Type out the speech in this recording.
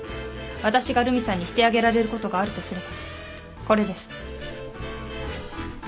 私が留美さんにしてあげられることがあるとすればこれです。